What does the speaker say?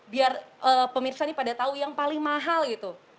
biar pemirsa nih pada tahu yang paling mahal gitu